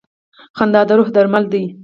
• خندا د روح درمل دی.